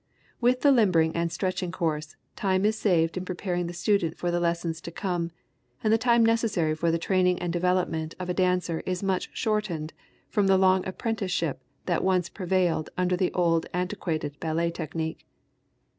With the limbering and stretching course, time is saved in preparing the student for the lessons to come, and the time necessary for the training and development of a dancer is much shortened from the long apprenticeship that once prevailed under the old antiquated Ballet technique.